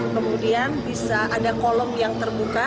kemudian bisa ada kolom yang terbuka